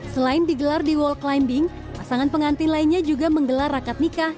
selain digelar di wall climbing pasangan pengantin lainnya juga menggelar akad nikah